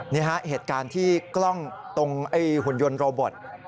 นี่ฮะเหตุการณ์ที่กล้องเอ่อโดยหุ่นยนต์โรบอต